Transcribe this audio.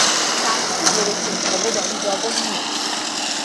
শাস্ত্রে বলেছে, ভগবান জগন্ময়।